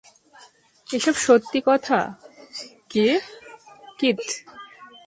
এসব সত্যি না, কিথ।